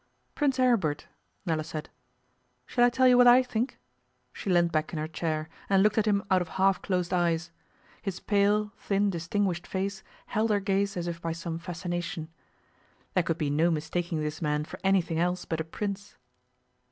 'Prince Aribert,' Nella said, 'shall I tell you what I think?' She leaned back in her chair, and looked at him out of half closed eyes. His pale, thin, distinguished face held her gaze as if by some fascination. There could be no mistaking this man for anything else but a Prince.